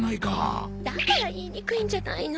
だから言いにくいんじゃないの。